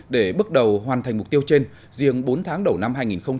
để bước đầu hoàn thành mục tiêu trên riêng bốn tháng đầu năm hai nghìn một mươi chín